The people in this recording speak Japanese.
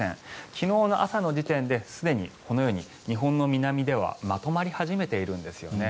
昨日の朝の時点ですでに、このように日本の南ではまとまり始めているんですよね。